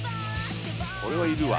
これはいるわ。